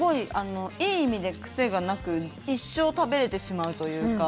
いい意味で癖がなく一生食べれてしまうというか。